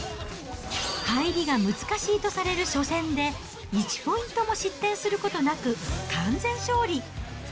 入りが難しいとされる初戦で１ポイントも失点することなく完全勝利。